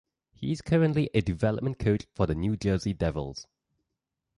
He is currently a development coach for the New Jersey Devils.